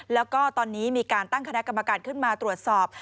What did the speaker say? แล้วก็ตอนนี้มีการตั้งคณะกรรมการขึ้นมาตรวจสอบ